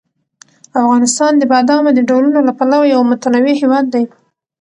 افغانستان د بادامو د ډولونو له پلوه یو متنوع هېواد دی.